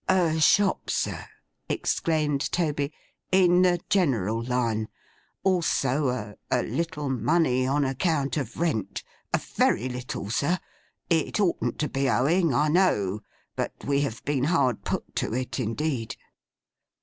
'A shop, sir,' exclaimed Toby, 'in the general line. Also a—a little money on account of rent. A very little, sir. It oughtn't to be owing, I know, but we have been hard put to it, indeed!